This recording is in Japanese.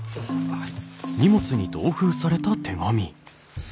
はい。